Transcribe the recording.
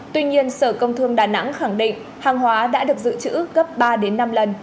tuy nhiên sở công thương đà nẵng khẳng định hàng hóa đã được dự trữ gấp ba đến năm lần